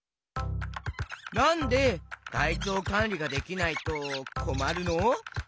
なんでたいちょうかんりができないとこまるの？